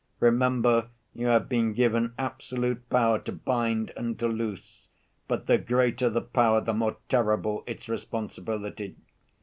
Remember, you have been given absolute power to bind and to loose, but the greater the power, the more terrible its responsibility.